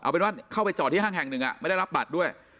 เอาเป็นว่าเข้าไปจอดที่ห้างแห่งหนึ่งไม่ได้รับบัตรด้วย